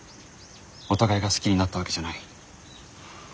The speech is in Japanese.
お互いが好きになったわけじゃない。